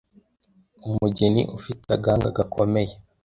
umugeni ufite agahanga gakomeye